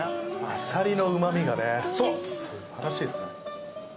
アサリのうまみがね素晴らしいですね。